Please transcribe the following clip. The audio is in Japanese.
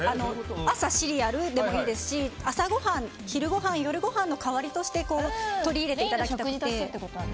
朝、シリアルでもいいですし朝ごはん、昼ごはん夜ごはんの代わりとして取り入れていただきたくて。